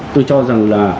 tôi cho rằng là